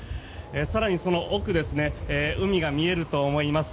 更にその奥海が見えると思います。